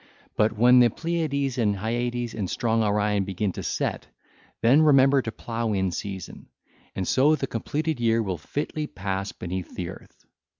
But when the Pleiades and Hyades and strong Orion begin to set 1331, then remember to plough in season: and so the completed year 1332 will fitly pass beneath the earth.